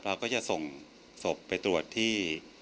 เราก็จะส่งศพไปตรวจที่